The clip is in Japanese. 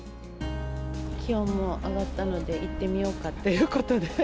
気温も上がったので、行ってみようかということで。